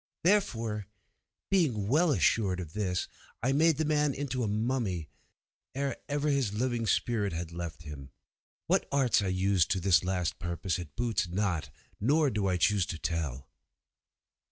Therefore, being well assured of this, I made the man into a mummy, ere ever his living spirit had left him. What arts I used to this last purpose it boots not, nor do I choose to tell.